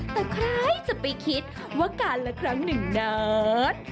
แต่ใครจะไปคิดว่าการละครั้งหนึ่งนั้น